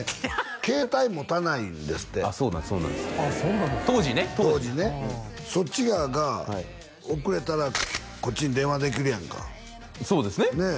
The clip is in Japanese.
携帯持たないんですってあっそうなんですそうなんです当時ね当時当時ねそっち側が遅れたらこっちに電話できるやんかそうですねねえ